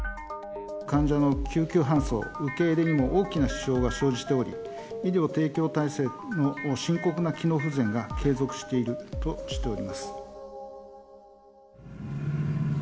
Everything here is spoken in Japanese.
患者の救急搬送、受け入れにも大きな支障が生じており、医療提供体制の深刻な機能不全が継続しているとしております。